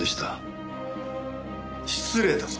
失礼だぞ。